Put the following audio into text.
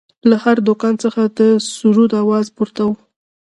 له هر دوکان څخه د سروذ اواز پورته و.